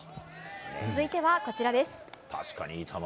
続いてはこちらです。